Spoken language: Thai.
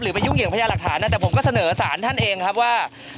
ไปยุ่งเหยิงพยาหลักฐานนะแต่ผมก็เสนอสารท่านเองครับว่า